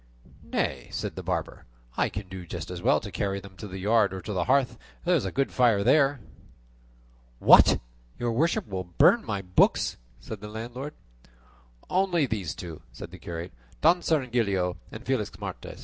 "Nay," said the barber, "I can do just as well to carry them to the yard or to the hearth, and there is a very good fire there." "What! your worship would burn my books!" said the landlord. "Only these two," said the curate, "Don Cirongilio, and Felixmarte."